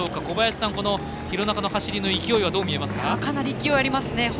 小林さん、廣中の走りの勢いどう見えますか？